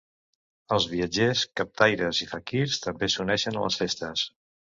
Els viatgers, captaires i faquirs també s'uneixen a les festes.